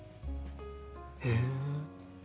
へえ！